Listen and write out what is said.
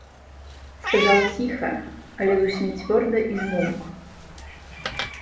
Сказаў ціха, але зусім цвёрда і змоўк.